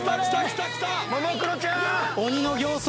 鬼の形相